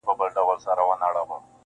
• له بدانو سره ښه په دې معنا ده..